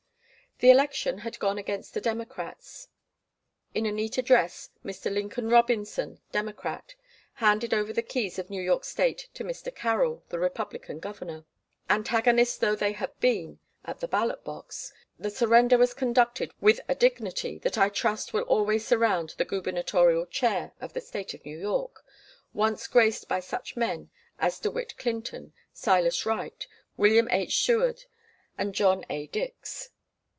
The election had gone against the Democrats. In a neat address Mr. Lincoln Robinson, Democrat, handed over the keys of New York State to Mr. Carroll, the Republican Governor. Antagonists though they had been at the ballot box, the surrender was conducted with a dignity that I trust will always surround the gubernatorial chair of the State of New York, once graced by such men as DeWitt Clinton, Silas Wright, William H. Seward, and John A. Dix.